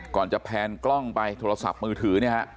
ก่อนจะแพนกล้องไปโทรศัพท์มือถือเนี่ยฮะ